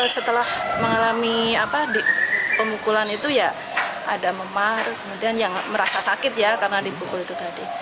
setelah mengalami pemukulan itu ya ada memar kemudian yang merasa sakit ya karena dipukul itu tadi